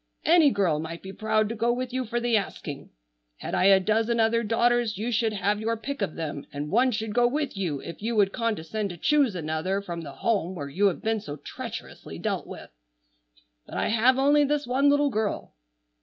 Any girl might be proud to go with you for the asking. Had I a dozen other daughters you should have your pick of them, and one should go with you, if you would condescend to choose another from the home where you have been so treacherously dealt with. But I have only this one little girl.